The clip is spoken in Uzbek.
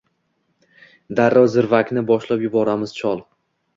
darrov zirvakni boshlab yuboramiz chol